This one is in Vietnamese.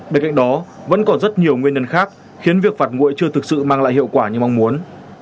bên cạnh đó vẫn còn rất nhiều nguyên nhân khác khiến việc phạt nguội chưa thực sự mang lại hiệu quả như mong muốn